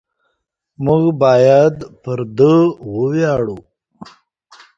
موږ باید پر ده وویاړو.